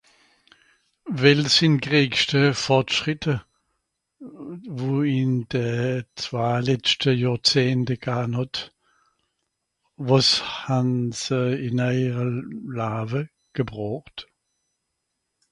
Well sìnn d'gréégschte Fortschrìtte, wo ìn de zwei letschte Johrzehnte gan hàt ? Wàs han se ìn èire Lawe gebrocht ?